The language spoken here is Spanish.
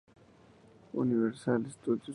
Universal Studios Japan.